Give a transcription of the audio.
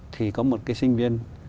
thì có một cái sinh viên